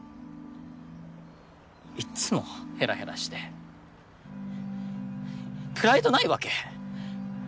いっつもヘラヘラしてプライドないわけ？